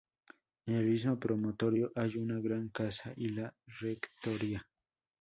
En el mismo promontorio hay una gran casa y la rectoría.